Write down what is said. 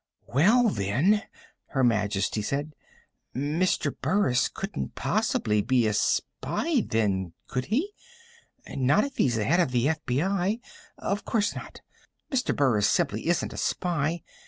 "Well, then," Her Majesty said, "Mr. Burris couldn't possibly be a spy, then, could he? Not if he's the head of the FBI. Of course not. Mr. Burris simply isn't a spy.